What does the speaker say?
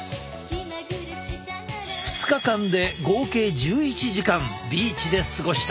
２日間で合計１１時間ビーチで過ごした。